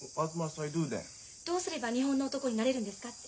どうすれば日本の男になれるんですかって。